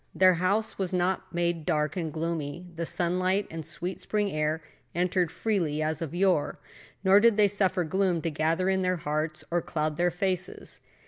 Their house was not made dark and gloomy, the sunlight and sweet spring air entered freely as of yore. Nor did they suffer gloom to gather in their hearts or cloud their faces.